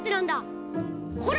ほら！